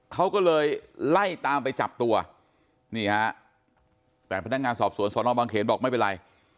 เขาก็เลยไล่ตามไปจับตัวนี่ฮะแต่พนักงานสอบสวนสอนอบางเขนบอกไม่เป็นไร